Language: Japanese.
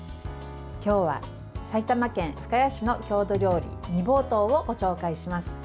今日は埼玉県深谷市の郷土料理煮ぼうとうをご紹介します。